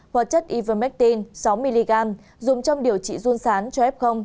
hoặc chất ivermectin sáu mg dùng trong điều trị run sán cho f